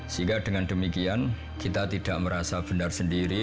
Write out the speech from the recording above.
sehingga dengan demikian kita tidak merasa benar sendiri